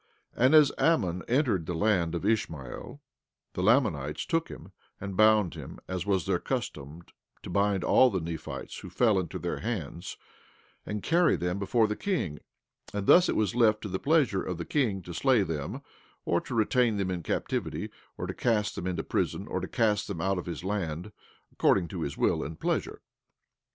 17:20 And as Ammon entered the land of Ishmael, the Lamanites took him and bound him, as was their custom to bind all the Nephites who fell into their hands, and carry them before the king; and thus it was left to the pleasure of the king to slay them, or to retain them in captivity, or to cast them into prison, or to cast them out of his land, according to his will and pleasure.